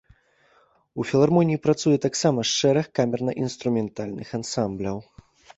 У філармоніі працуе таксама шэраг камерна-інструментальных ансамбляў.